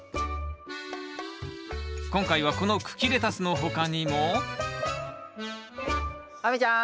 今回はこの茎レタスの他にも亜美ちゃん